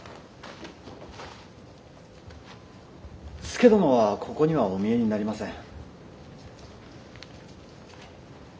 佐殿はここにはお見えになりません。